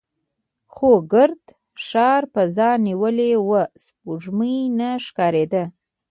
خو ګرد د ښار فضا نیولې وه، سپوږمۍ نه ښکارېده.